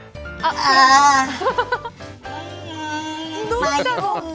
どうしたの。